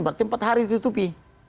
berarti empat hari ditutupi